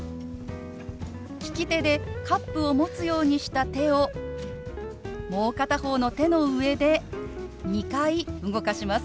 利き手でカップを持つようにした手をもう片方の手の上で２回動かします。